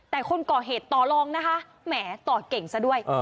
แต่คนก่อเหตุต่อลองนะคะแหมต่อเก่งซะด้วย